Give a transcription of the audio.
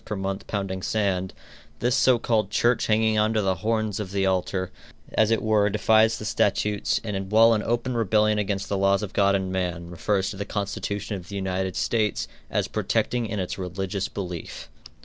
per month pounding sand, this so called church hanging on to the horns of the altar, as it were, defies the statutes, and while in open rebellion against the laws of God and man, refers to the constitution of the United States as protecting it in its "religious belief."